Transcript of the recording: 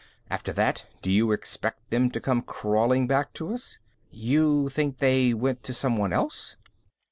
After that, do you expect them to come crawling back to us?" "You think they went to someone else?"